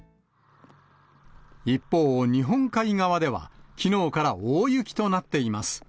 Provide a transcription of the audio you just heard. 一方、日本海側ではきのうから大雪となっています。